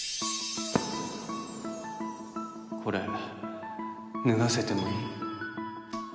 これ脱がせてもいい？